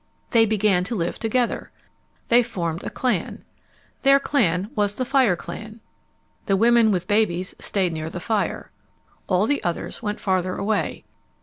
They began to live together. They formed a clan. Their clan was the fire clan. The women with babies stayed near the fire. All the others went farther away.